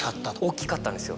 おっきかったんですよ。